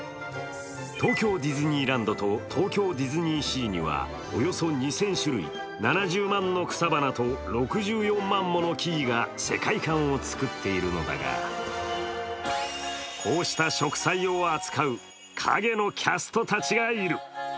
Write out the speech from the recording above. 東京ディズニーランドと東京ディズニーシーにはおよそ２０００種類、７０万の草花と６４万もの木々が世界観を作っているのだがこうした植栽を扱う影のキャストたちがいる。